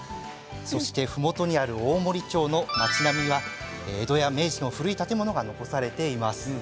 そして、ふもとにある大森町の町並みは江戸や明治の古い建物が残されています。